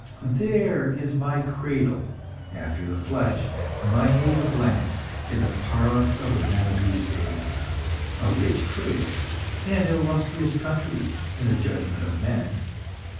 There is my cradle, after the flesh; my native land in the parlance of the men of these days! A rich cradle, an illustrious country, in the judgment of men!